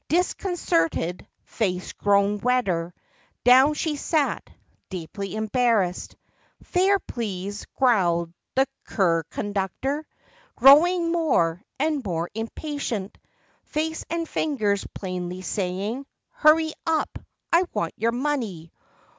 Disconcerted, face grown redder, Down she sat, deeply embarrassed. "Fare, please,' growled the cur conductor, Growing more and more impatient— Face and fingers plainly saying: "Hurry up, I want your money!